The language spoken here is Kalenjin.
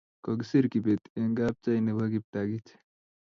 Kokisir Kibet eng' kapchai nebo Kiptagich